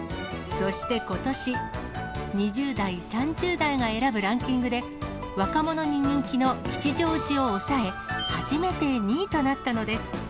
そしてことし、２０代、３０代が選ぶランキングで、若者に人気の吉祥寺を抑え、初めて２位となったのです。